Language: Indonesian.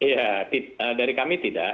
ya dari kami tidak